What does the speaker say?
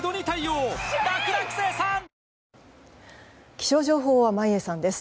気象情報は眞家さんです。